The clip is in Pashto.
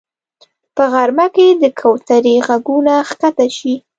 په غرمه کې د کوترې غږونه ښکته شي